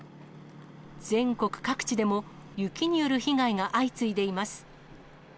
全国各地でも雪による被害が相次いでいます。